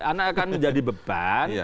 anak akan menjadi beban